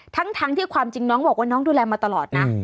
ทั้งที่ความจริงน้องบอกว่าน้องดูแลมาตลอดนะ